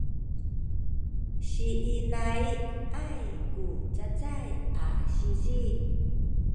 siinai’ay ku cacay a sizi